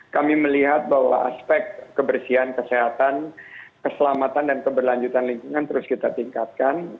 kami melihat bahwa aspek kebersihan kesehatan keselamatan dan keberlanjutan lingkungan terus kita tingkatkan